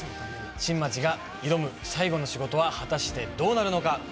新町が挑む最後の仕事は果たしてどうなるのか。